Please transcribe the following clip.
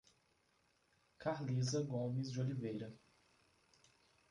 Carlisa Gomes de Oliveira